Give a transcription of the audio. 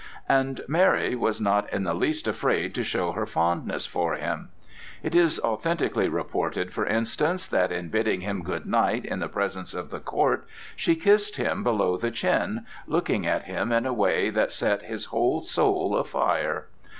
And Mary was not in the least afraid to show her fondness for him. It is authentically reported, for instance, that in bidding him goodnight in the presence of the court "she kissed him below the chin, looking at him in a way that set his whole soul afire."